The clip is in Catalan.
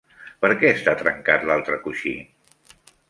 Perquè està trencat l"altre coixí?